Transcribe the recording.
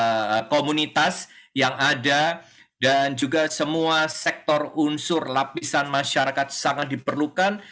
dan juga semua sektor unsur lapisan masyarakat sangat diperlukan dan juga semua sektor unsur lapisan masyarakat sangat diperlukan